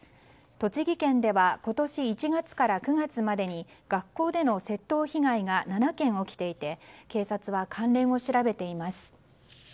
栃木県では今年１月から９月までに学校での窃盗被害が７件起きていて警察は関連を調べています。